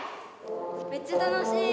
めっちゃ楽しい！